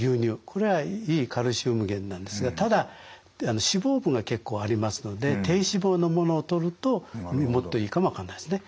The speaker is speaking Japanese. これはいいカルシウム源なんですがただ脂肪分が結構ありますので低脂肪のものをとるともっといいかも分かんないですね。